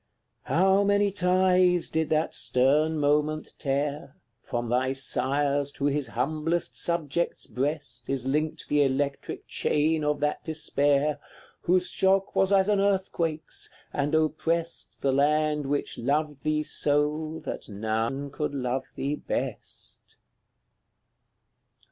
How many ties did that stern moment tear! From thy Sire's to his humblest subject's breast Is linked the electric chain of that despair, Whose shock was as an earthquake's, and oppressed The land which loved thee so, that none could love thee best.